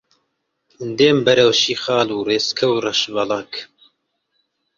دێم بەرەو شیخاڵ و ڕێچکە و ڕەشبەڵەک